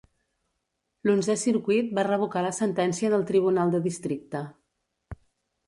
L'onzè circuit va revocar la sentència del tribunal de districte.